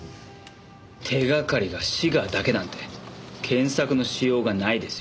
手掛かりがシガーだけなんて検索のしようがないですよ。